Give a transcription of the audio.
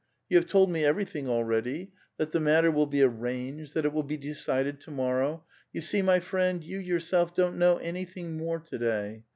You have told me everything already, — that the matter will be arranged, that it will be decided to morrow ; you see, my friend, you yourself don't know anything more to day.